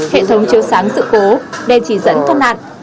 hệ thống chiếu sáng sự cố đèn chỉ dẫn thoát nạn